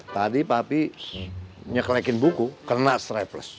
tadi papi nyelekin buku kena stripers